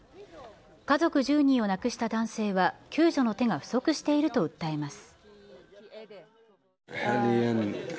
家族１０人を亡くした男性は、救助の手が不足していると訴えます。